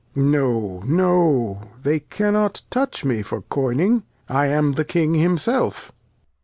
Lear. No, no; they cannot touch me for coyning; I am the King himself.